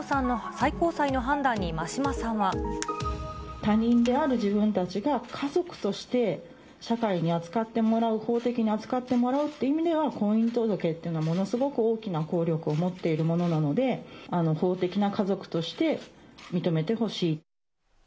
他人である自分たちが、家族として社会に扱ってもらう、法的に扱ってもらうという意味では、婚姻届っていうのはものすごく大きな効力を持っているものなので、法的な家族として認めてほしい。